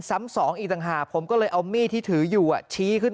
ซ้ำสองอีกต่างหากผมก็เลยเอามีดที่ถืออยู่ชี้ขึ้น